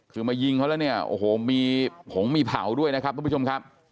คือมายิงเขาแล้วเนี่ยโอ้โหมีผงมีเผาด้วยนะครับทุกผู้ชมครับ